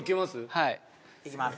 はいいきます